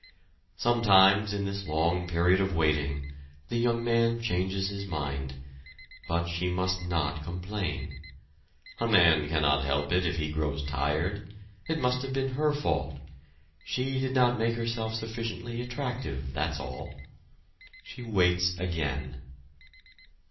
Sometimes, in this long period of waiting, the young man changes his mind, but she must not complain. A man cannot help it if he grows tired. It must have been her fault she did not make herself sufficiently attractive that's all! She waits again.